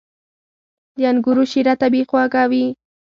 • د انګورو شیره طبیعي خوږه وي.